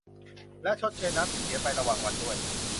และชดเชยน้ำที่เสียไประหว่างวันด้วย